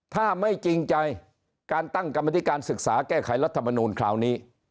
ถ้าไม่จริงใจการตั้งกรรมธิการศึกษาแก้ไขรัฐมนูลคราวนี้